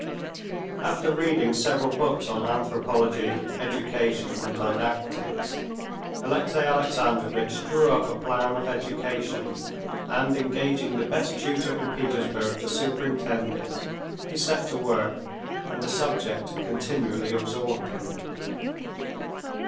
After reading several books on anthropology, education, and didactics, Alexey Alexandrovitch drew up a plan of education, and engaging the best tutor in Petersburg to superintend it, he set to work, and the subject continually absorbed him.